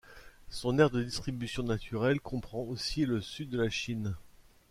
Son aire de distribution naturelle comprend aussi le sud de la Chine.